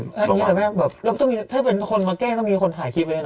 บ๊วยไซด์ถ้าเป็นคนมาแก้ต้องมีคนถ่ายคลิปเลยเหรอ